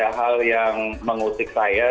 tapi ada hal yang mengutip saya